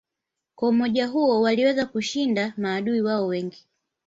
Kwa umoja huo waliweza kushinda maadui wao wengi.